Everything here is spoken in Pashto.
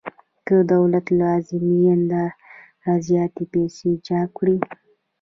که دولت له لازمې اندازې زیاتې پیسې چاپ کړي